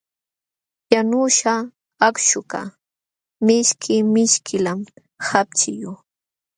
Yanuśhqa akśhukaq mishki mishkillam hapchiyuq.